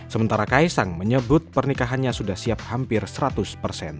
sementara kaisang menyebut pernikahannya sudah siap hampir seratus persen